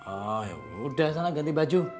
oh yaudah sana ganti baju